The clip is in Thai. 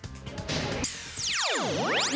เอาไปดูกันหน่อย